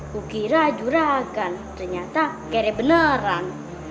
kukira juragan ternyata kere beneran